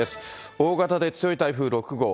大型で強い台風６号。